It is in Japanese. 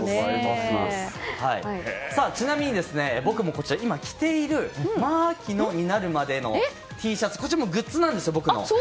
ちなみ僕も、今着ているまーきのっになるまでのＴシャツこちらも僕のグッズなんですよ。